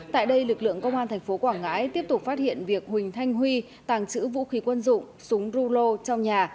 tại đây lực lượng công an thành phố quảng ngãi tiếp tục phát hiện việc huỳnh thanh huy tàng trữ vũ khí quân dụng súng rù lô trong nhà